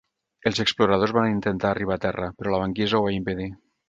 Els exploradors van intentar arribar a terra, però la banquisa ho va impedir.